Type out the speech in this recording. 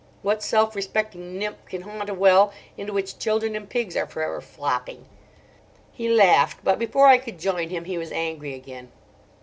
What self respecting nymph can haunt a well into which children and pigs are for ever flopping?" He laughed; but before I could join him he was angry again.